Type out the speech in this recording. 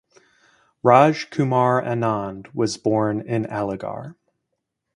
Raaj Kumar Anand was born in Aligarh.